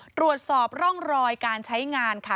ตรวจสอบร่องรอยการใช้งานค่ะ